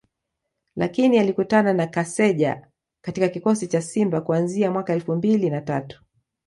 lakini alikutana na Kaseja katika kikosi cha Simba kuanzia mwaka elfu mbili na tatu